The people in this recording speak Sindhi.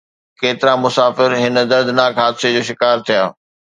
ڪيترا مسافر هن دردناڪ حادثي جو شڪار ٿيا